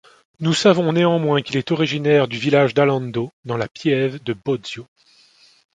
Nous savons néanmoins qu'il est originaire du village d'Alando dans la piève de Bozio.